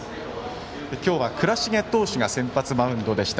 今日は倉重投手が先発マウンドでした。